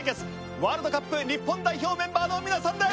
ワールドカップ日本代表メンバーの皆さんです！